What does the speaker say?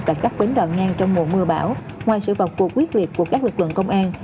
tại các bến đoạn ngang trong mùa mưa bão ngoài sự vọc cuộc quyết liệt của các lực lượng công an